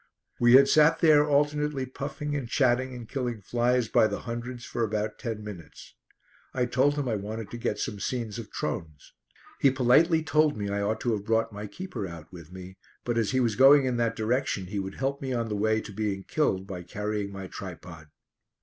We had sat there alternately puffing and chatting and killing flies by the hundreds for about ten minutes. I told him I wanted to get some scenes of Trones. He politely told me I ought to have brought my keeper out with me, but as he was going in that direction he would help me on the way to being killed by carrying my tripod.